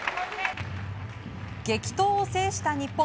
激闘を制した日本。